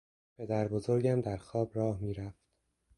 پدر بزرگم در خواب راه می رفت.